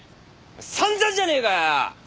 散々じゃねえかよ！